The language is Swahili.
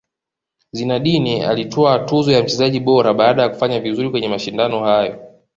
zidane alitwaa tuzo ya mchezaji bora baada ya kufanya vizuri kwenye mashindano hayo